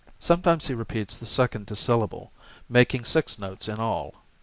Sometimes he repeats the second dissyllable, making six notes in all.